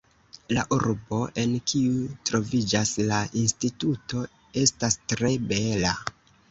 La urbo, en kiu troviĝas la instituto, estas tre bela!